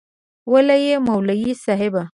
وله يي مولوي صيب